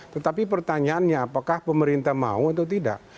tetapi pertanyaannya apakah pemerintah mau atau tidak